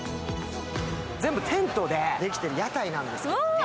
全部テントでできてる屋台なんですけれども。